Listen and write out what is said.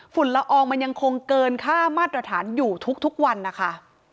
ละอองมันยังคงเกินค่ามาตรฐานอยู่ทุกวันนะคะ